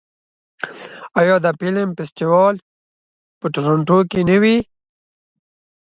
آیا د فلم فستیوال په تورنټو کې نه وي؟